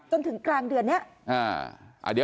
จนถึงกลางเดือนนี้